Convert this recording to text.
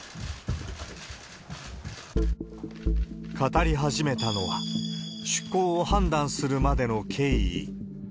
語り始めたのは、出航を判断するまでの経緯。